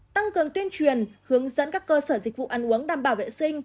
tăng cường tuyên truyền hướng dẫn các cơ sở dịch vụ ăn uống đảm bảo vệ sinh